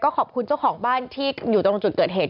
ขอบคุณเจ้าของบ้านที่อยู่ตรงจุดเกิดเหตุ